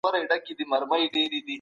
دا ښوونه د مذهب د پياوړتيا لپاره وه.